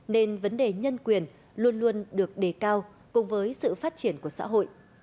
nên vấn đề nhân quyền luôn luôn được đề cao cùng với sự phát triển của xã hội